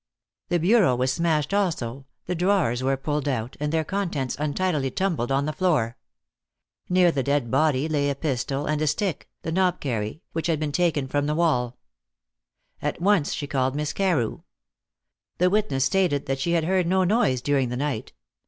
The bureau was smashed also, the drawers were pulled out, and their contents untidily tumbled on the floor. Near the dead body lay a pistol and a stick (the knobkerrie) which had been taken from the wall. At once she called Miss Carew. The witness stated that she had heard no noise during the night.